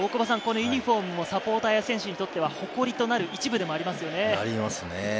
ユニホームをサポーターや選手にとっては誇りとなる一部でもありますね。